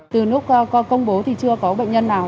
từ lúc công bố thì chưa có bệnh nhân nào